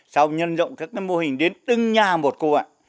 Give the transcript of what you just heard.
sau nhân rộng các mô hình đến từng nhà một cô ạ